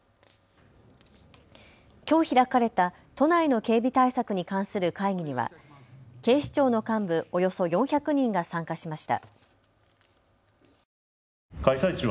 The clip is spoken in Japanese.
きょう開かれた都内の警備対策に関する会議には警視庁の幹部およそ４００人が参加しました。